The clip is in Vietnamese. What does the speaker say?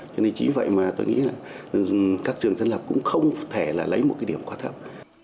cho nên chính vậy mà tôi nghĩ là các trường dân lập cũng không thể là lấy một cái điểm quá thấp